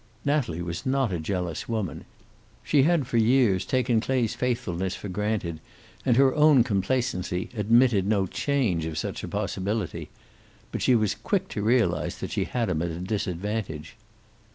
Natalie was not a jealous woman. She had, for years, taken Clay's faithfulness for granted, and her own complacency admitted no chance of such a possibility. But she was quick to realize that she had him at a disadvantage.